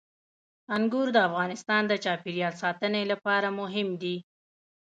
انګور د افغانستان د چاپیریال ساتنې لپاره مهم دي.